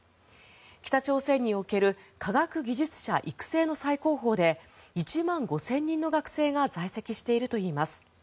北朝鮮における科学技術者育成の最高峰で１万５０００人の学生が在籍しているといいます。